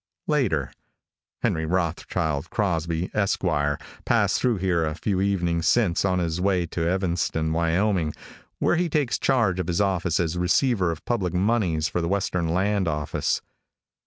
Later. Henry Rothschild Crosby, Esq., passed through here a few evenings since, on his way to Evanston, Wyoming, where he takes charge of his office as receiver of public moneys for the western land office.